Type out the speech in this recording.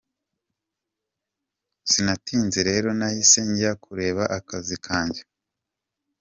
Sinatinze rero nahise njya kureba akazi kanjye.”